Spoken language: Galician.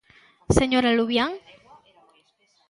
¿Señora Luvián?